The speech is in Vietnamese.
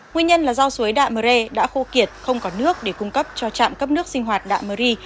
nguyên nhân là do suối đạm mưu ri đã khô kiệt không có nước để cung cấp cho trạm cấp nước sinh hoạt đạm mưu ri